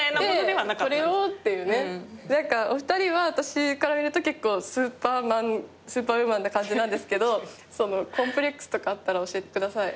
お二人は私から見ると結構スーパーマンスーパーウーマンな感じなんですけどコンプレックスとかあったら教えてください。